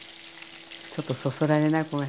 ちょっとそそられない？